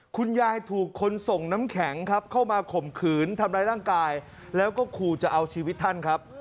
คุณยายถูกคนส่งน้ำแข็งครับเข้ามาข่มขืนทำร้ายร่างกายแล้วก็ขู่จะเอาชีวิตท่านครับ